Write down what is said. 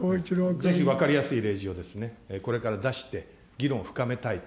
ぜひ分かりやすい例示をですね、これから出して議論を深めたいと。